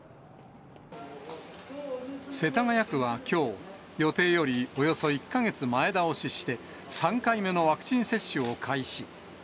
世田谷区はきょう、予定よりおよそ１か月前倒しして、３回目のワクチン接種を開始。